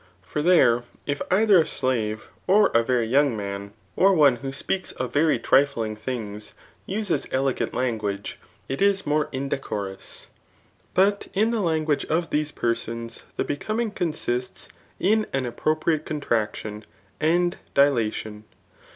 For there, if either a slave, or a very young man, or one tot Tllf ART OT MDK" HI. who speaks of very trtiing things uses elega&t bnguage, it & more indecorous. But in the language of these persons, the becoming consists in an appropriate contnc tion and dilatation.